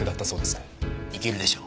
いけるでしょ？